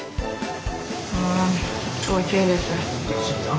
うんおいしいです。